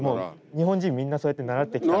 日本人みんなそうやって習ってきたので。